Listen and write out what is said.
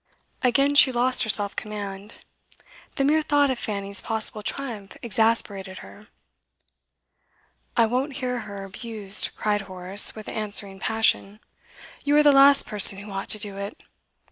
Again she lost her self command; the mere thought of Fanny's possible triumph exasperated her. 'I won't hear her abused,' cried Horace, with answering passion. 'You are the last person who ought to do it.